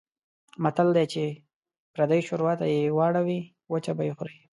متل دی: چې پردۍ شوروا ته یې وړوې وچه به یې خورې.